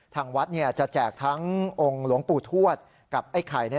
ทางวัดจะแจกทั้งองค์หลวงปู่ทวดกับไอ้ไข่